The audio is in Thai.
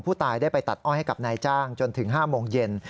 ผู้ตายได้ไปตัดอ้อยให้กับนายจ้างจนถึง๕โมงเย็น